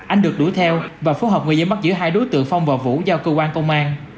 anh được đuổi theo và phối hợp người dân bắt giữ hai đối tượng phong và vũ giao cơ quan công an